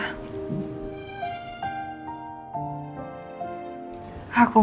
aku kangen mbak din